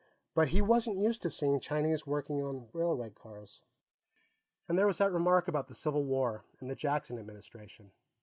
But he wasn't used to seeing Chinese working in railway cars. And there had been that remark about the Civil War and the Jackson Administration.